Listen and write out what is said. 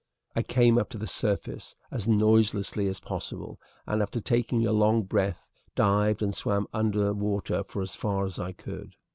I came up to the surface as noiselessly as possible, and after taking a long breath dived and swam under water as far as I could.